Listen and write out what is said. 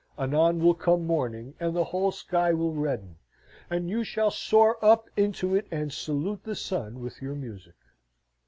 Anon will come morning, and the whole sky will redden, and you shall soar up into it and salute the sun with your music.